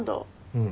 うん。